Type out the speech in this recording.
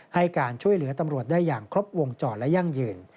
ให้การช่วยเหลือตำรวจได้อย่างครบวงจรและยั่งยืน